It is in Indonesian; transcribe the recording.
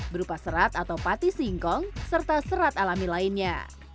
berupa serat atau pati singkong serta serat alami lainnya